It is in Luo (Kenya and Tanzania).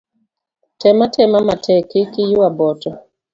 Tem atema matek kik iywa boto